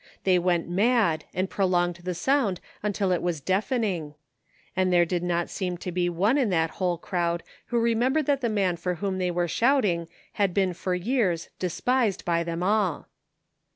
They went mad and prolonged the sound tintil it was deafening. And there did not seem to be one in that whole crowd who remembered that the man for whom they were shouting had been for years despised by them all.